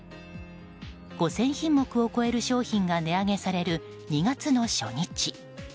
５０００品目を超える商品が値上げされる２月の初日。